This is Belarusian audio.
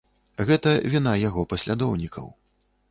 Гэта віна яго паслядоўнікаў.